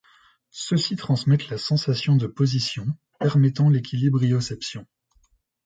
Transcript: Ceux-ci transmettent la sensation de position, permettant l'équilibrioception.